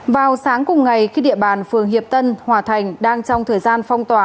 vào sáng cùng ngày khi địa bàn phường hiệp tân hòa thành đang trong thời gian phong tỏa